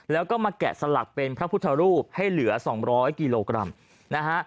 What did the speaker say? แล้วก็มาแกะสลักเป็นพระพุทธรูปให้เหลือ๒๐๐กิโลกรัมนะฮะ